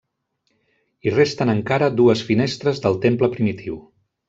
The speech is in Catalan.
Hi resten encara dues finestres del temple primitiu.